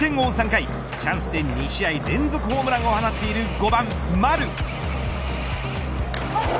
３回チャンスで２試合連続ホームランを放っている５番、丸。